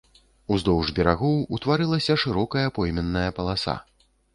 Уздоўж берагоў утварылася шырокая пойменная паласа.